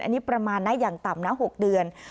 อันนี้ประมาณนะอย่างต่ำนะ๖เดือน